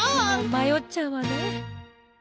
まよっちゃうわね。